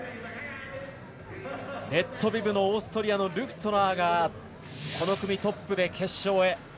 レッドビブのオーストリアのルフトゥナーがこの組トップで決勝へ。